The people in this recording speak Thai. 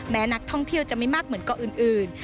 นักท่องเที่ยวจะไม่มากเหมือนเกาะอื่น